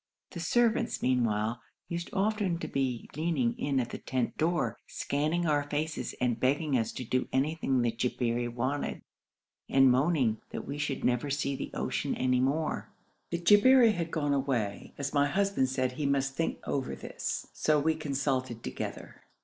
The servants, meanwhile, used often to be leaning in at the tent door, scanning our faces and begging us to do anything the Jabberi wanted, and moaning that we should never see the ocean any more. The Jabberi had gone away, as my husband said he must think over this; so we consulted together.